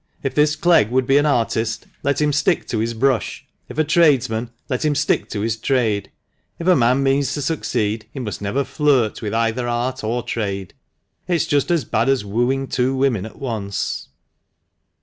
If this Clegg would be an artist, let him stick to his brush; if a tradesman, let him stick to his trade. If a man means to succeed, he must never Sirt with either art or trade. It's just as bad as wooing two women at once."